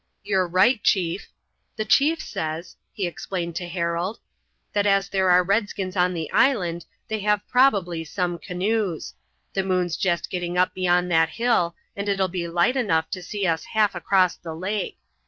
"You're right, chief. The chief says," he explained to Harold, "that as there are redskins on the island they have probably some canoes. The moon's jest getting up beyond that hill, and it'll be light enough to see us half across the lake.